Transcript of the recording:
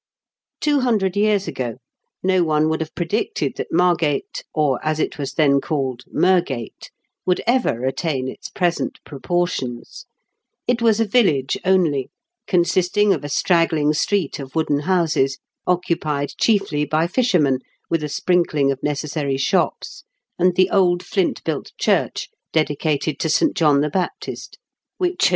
Two hundred years ago no one would have predicted that Margate, or, as it was then called, Mergate, would ever attain its present proportions. It was a village only, consisting of a straggling street of wooden houses, occu pied chiefly by fishermen, with a sprinkling of necessary shops, and the old flint built church dedicated to St. John the Baptist, which had 274 IN KENT WFTE CHARLES DICKENS.